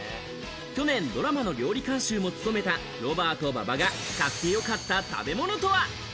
去年、ドラマの料理監修も務めたロバート・馬場が買ってよかった食べ物とは？